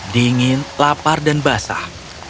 dingin lapar dan basah